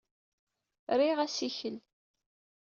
Riɣ assikel.